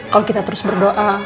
kalau kita terus berdoa